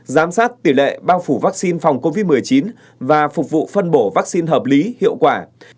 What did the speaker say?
giám sát tỷ lệ bao phủ vaccine phòng covid một mươi chín và phục vụ phân bổ vaccine hợp lý hiệu quả